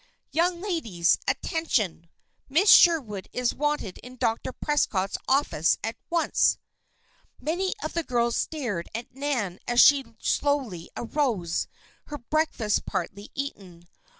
"Young ladies! Attention! Miss Sherwood is wanted in Dr. Prescott's office at once." Many of the girls stared at Nan as she slowly arose, her breakfast partly eaten.